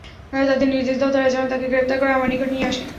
তাদের নির্দেশ দাও, তারা যেন তাকে গ্রেফতার করে আমার নিকট নিয়ে আসে।